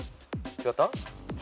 違った？